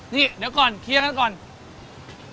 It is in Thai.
นี่เดี๋ยวก่อนเคียงเรื่องนั้นก่อน